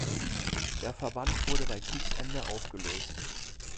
Der Verband wurde bei Kriegsende aufgelöst.